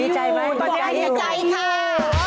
ดีใจอยู่ต่อทีดีใจอยู่